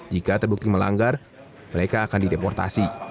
jika terbukti melanggar mereka akan dideportasi